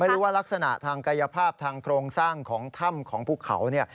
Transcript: ไม่รู้ว่ารักษณะทางกายภาพทางโครงสร้างของถ้ำของภูเขาเนี่ย